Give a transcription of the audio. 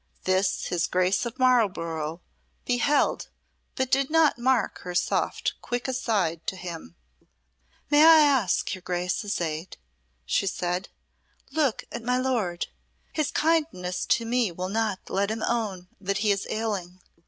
This his Grace of Marlborough beheld but did not mark her soft quick aside to him. "May I ask your Grace's aid?" she said. "Look at my lord. His kindness to me will not let him own that he is ailing.